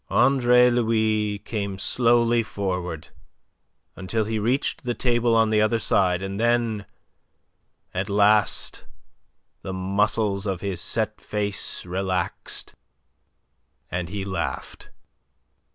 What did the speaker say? Andre Louis came slowly forward until he reached the table on the other side, and then at last the muscles of his set face relaxed, and he laughed.